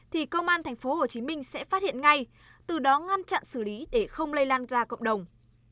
thì công an tp hcm sẽ phát hiện ngay từ đó ngăn chặn xử lý để không lây lan ra cộng đồng